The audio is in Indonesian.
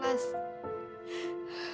gue mau berpikir